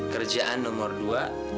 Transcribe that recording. kerjaan nomor dua